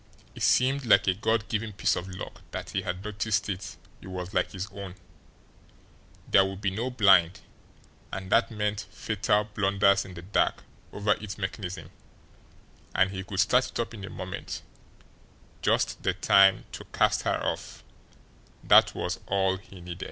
It seemed like a God given piece of luck that he had noticed it was like his own; there would be no blind, and that meant fatal, blunders in the dark over its mechanism, and he could start it up in a moment just the time to cast her off, that was all he needed.